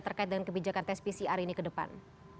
terkait dengan kebijakan tes pcr ini ke depan